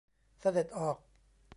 เสด็จออก